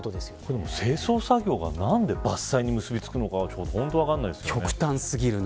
でも、清掃作業がなぜ伐採に結びつくのか分からないですね。